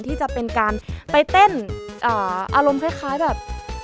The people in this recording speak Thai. ที่จะเป็นการไปเต้นอารมณ์คล้ายแบบ